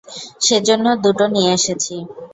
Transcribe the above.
সেজন্য দুটো নিয়ে এসেছি।